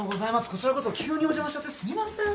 こちらこそ急にお邪魔しちゃってすいません。